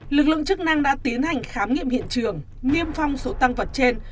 lực lượng chức năng đã tiến hành khám nghiệm hiện trường niêm phong số tăng vật trên